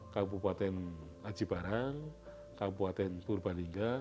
kabupaten ajibarang kabupaten purbalingga